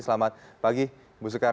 selamat pagi bu sekar